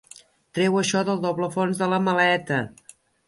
Treu això del doble fons de la maleta.